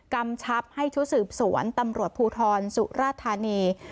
กำชับให้ชุดสืบสวนตำรวจภูทรสุราธานี